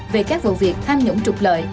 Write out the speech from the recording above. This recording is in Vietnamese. về các vụ việc thanh nhũng trục lợi